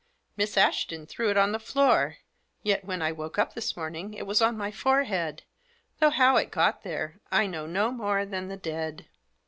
Miss Ashton threw it on to the floor ; yet, when I woke up this morning, it was on my forehead, though how it got there I know no more than the dead."